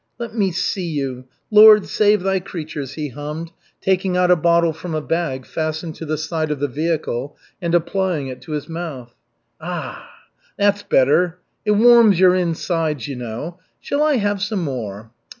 "Let me see you. Lord, save Thy creatures," he hummed, taking out a bottle from a bag fastened to the side of the vehicle and applying it to his mouth. "Ah, that's better. It warms your insides, you know. Shall I have some more?